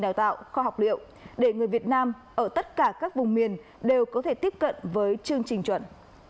đào tạo kho học liệu để người việt nam ở tất cả các vùng miền đều có thể tiếp cận với chương trình chuẩn